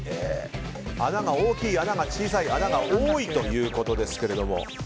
穴が大きい、穴が小さい穴が多いということですが。